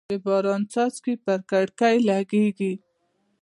د باران څاڅکي پر کړکۍ لګېږي.